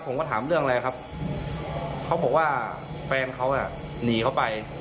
ผมก็ถามเรื่องอะไรครับเขาบอกว่าแฟนเขาอ่ะหนีเขาไป